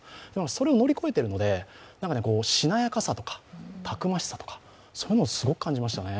それを乗り越えているのでしなやかさとか、たくましさとかそういうのをすごく感じましたね。